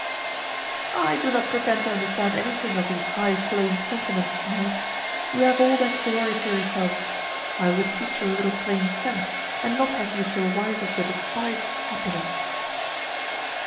"I do not pretend to understand anything of these high flown sentiments, niece; you have all that glory to yourself: I would teach you a little plain sense, and not have you so wise as to despise happiness."